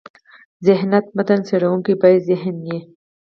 ذهانت: متن څړونکی باید ذهین يي.